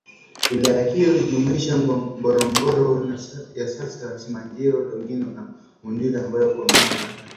Wilaya hiyo ilijumuisha Ngorongoro ya sasa Simanjiro Longido na Monduli ambayo kwa mara ya